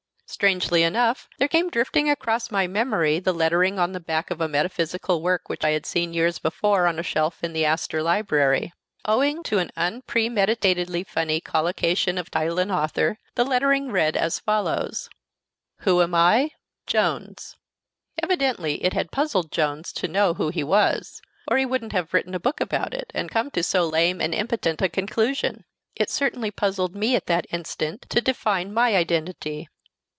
Strangely enough, there came drifting across my memory the lettering on the back of a metaphysical work which I had seen years before on a shelf in the Astor Library. Owing to an unpremeditatedly funny collocation of title and author, the lettering read as follows: "Who am I? Jones." Evidently it had puzzled Jones to know who he was, or he wouldn't have written a book about it, and come to so lame and impotent a conclusion. It certainly puzzled me at that instant to define my identity.